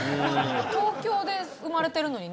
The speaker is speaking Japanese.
東京で生まれてるのにね。